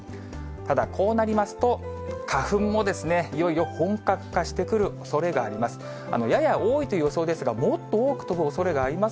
ただ、こうなりますと、花粉もですね、いよいよ本格化してくるおそれがあります。